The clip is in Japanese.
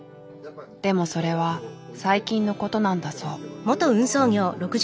でもそれは最近のことなんだそう。